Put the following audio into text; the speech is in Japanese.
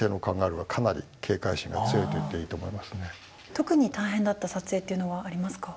特に大変だった撮影っていうのはありますか？